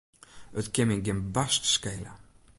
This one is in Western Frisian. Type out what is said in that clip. It kin my gjin barst skele.